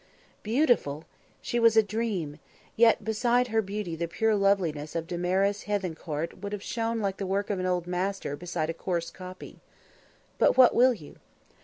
Beautiful! She was a dream yet beside her beauty the pure loveliness of Damaris Hethencourt would have shown like the work of an Old Master beside a coarse copy. But what will you?